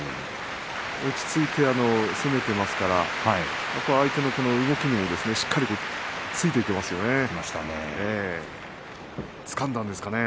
落ち着いて攻めていますから相手の動きにもしっかりとついていってますね。